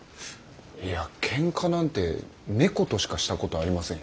いやケンカなんて猫としかしたことありませんよ。